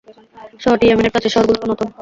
শহরটি ইয়েমেনের প্রাচীন শহরগুলোর অন্যতম।